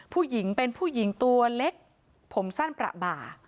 ผู้หญิงเป็นผู้หญิงตัวเล็กผมสั้นประบ่า